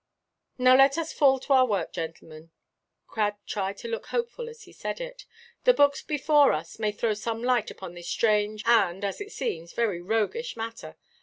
"Now let us fall to our work, gentlemen" (Crad tried to look hopeful as he said it); "the books before us may throw some light upon this strange, and, as it seems, very roguish matter.